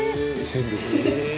「全部」